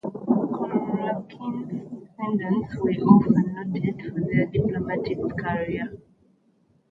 Kurakin's descendants were also noted for their diplomatic careers.